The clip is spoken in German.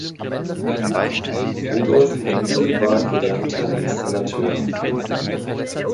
Rudolf Hendel war gelernter Installateur.